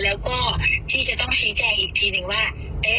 แล้วก็ที่จะต้องชี้แจงอีกทีหนึ่งว่า